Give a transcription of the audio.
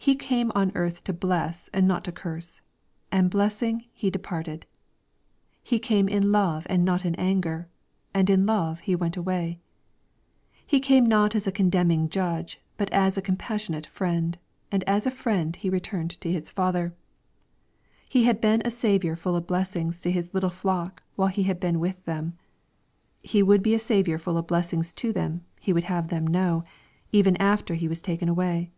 He came on earth to bless and not to curse, and blessing He departed. — He came in love and not in anger, and in love He went away. — He came not as a condemning iudge, but as a compassionate Friend, and as a Friend He returned to His Father. — He had been a Saviour full of blessings to His little flock while He had been with theiu. He would be a Saviour full of blessings to them, He would have them know, even after He was taken away.